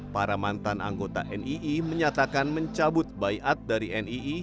para mantan anggota nii menyatakan mencabut bayat dari nii